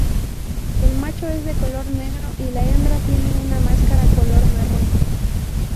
El macho es de color negro, y la hembra tiene una máscara color marrón.